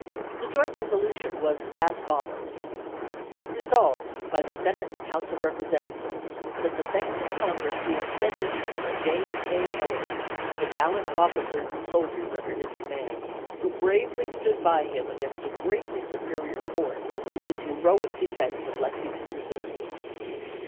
The joint resolution was as follows: Resolved by the Senate and House of Representatives that the thanks of Congress be extended to Colonel James A. Mulligan and the gallant officers and soldiers under his command, who bravely stood by him against a greatly superior force in his heroic defense of Lexington, Missouri.